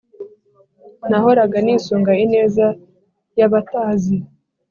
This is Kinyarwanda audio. nahoraga nisunga ineza yabatazi.